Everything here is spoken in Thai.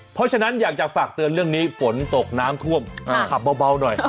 เพราะฉะนั้นอยากจะฝากเตือนเรื่องนี้ฝนตกน้ำท่วมขับเบาหน่อย